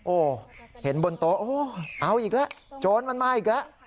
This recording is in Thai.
โอ้โหเห็นบนโต๊ะโอ้โหเอาอีกแล้วโจรมันมาอีกแล้ว